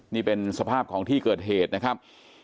นี่เป็นสภาพของที่เกิดเหตุนะครับ